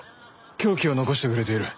凶器を残してくれている。